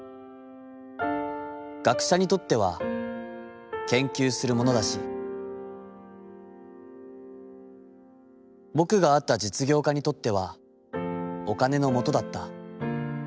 学者にとっては、研究するものだし、ぼくが会った実業家にとってはお金のもとだった。